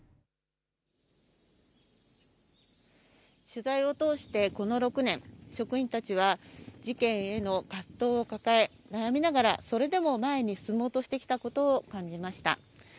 取材を通して、この６年、職員たちは事件への葛藤を抱え、悩みながら、それでも前に進もうとしてきたことを感じました。